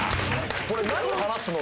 これ何話すの？